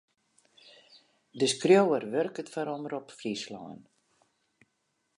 De skriuwer wurket foar Omrop Fryslân.